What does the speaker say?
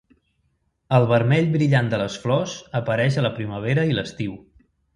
El vermell brillant de les flors apareix a la primavera i l'estiu.